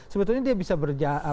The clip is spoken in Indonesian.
sebetulnya dia bisa berjaya